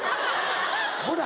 こら！